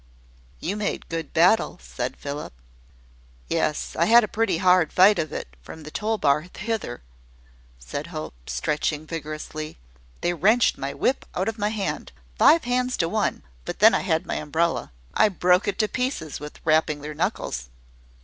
"You made good battle," said Philip. "Yes, I had a pretty hard fight of it, from the toll bar hither," said Hope, stretching vigorously. "They wrenched my whip out of my hand five hands to one; but then I had my umbrella. I broke it to pieces with rapping their knuckles."